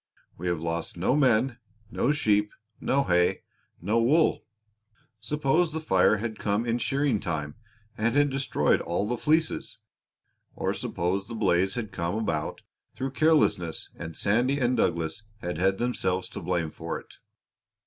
"We have lost no men, no sheep, no hay, no wool. Suppose the fire had come in shearing time and had destroyed all the fleeces; or suppose the blaze had come about through carelessness and Sandy and Douglas had had themselves to blame for it.